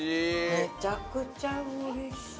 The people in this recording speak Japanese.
めちゃくちゃおいしい。